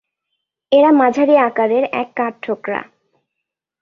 এরা মাঝারি আকারের এক কাঠঠোকরা।